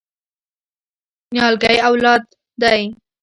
نیالګی اولاد دی؟